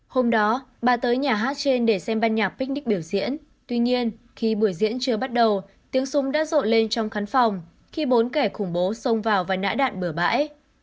hôm đó bà tới nhà hát trên để xem ban nhạc picknik biểu diễn tuy nhiên khi buổi diễn chưa bắt đầu tiếng súng đã rộn lên trong khán phòng khi bốn kẻ khủng bố xông vào và nã đạn bửa bãi